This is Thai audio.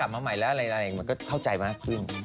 แต่วันเมื่อก่อนพอกลับมาอันเรื่อยก็เข้าใจมากขึ้น